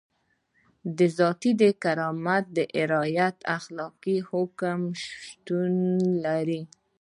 د ذاتي کرامت د رعایت اخلاقي حکم شتون لري.